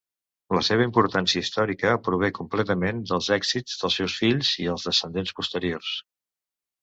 La seva importància històrica prové completament dels èxits dels seus fills i els descendents posteriors.